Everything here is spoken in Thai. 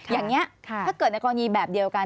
อย่างนี้ถ้าเกิดในกรณีแบบเดียวกัน